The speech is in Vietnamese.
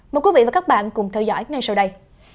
mời quý vị và các bạn cùng theo dõi ngay sau đây